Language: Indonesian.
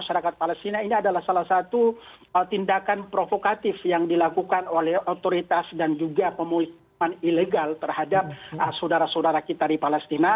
masyarakat palestina ini adalah salah satu tindakan provokatif yang dilakukan oleh otoritas dan juga pemukiman ilegal terhadap saudara saudara kita di palestina